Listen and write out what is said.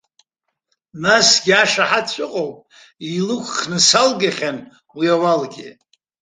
Насгьы ашаҳаҭцәа ыҟоуп, илықәхны салгахьан уи ауалгьы.